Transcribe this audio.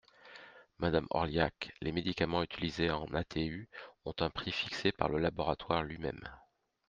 Madame Orliac, les médicaments utilisés en ATU ont un prix fixé par le laboratoire lui-même.